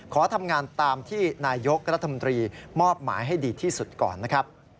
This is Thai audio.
ขอทำงานตามที่นายกรัฐมนตรีมอบหมายให้ดีที่สุดก่อนนะครับ